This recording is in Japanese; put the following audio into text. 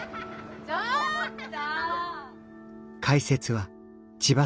ちょっと！